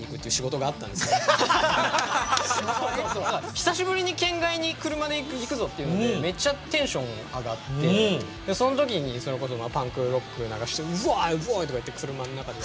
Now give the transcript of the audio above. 久しぶりに県外に車で行くぞっていうのでめっちゃテンション上がってその時にそれこそパンクロック流してうぉいうぉいとか言って車の中で。